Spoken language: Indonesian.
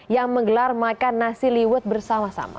yang menggelar makan nasi liwet bersama sama